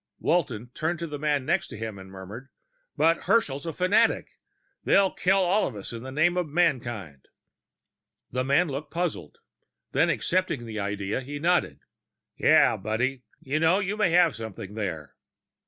Walton turned to the man next to him and murmured, "But Herschel's a fanatic. They'll kill all of us in the name of mankind." The man looked puzzled; then, accepting the idea, he nodded. "Yeah, buddy. You know, you may have something there."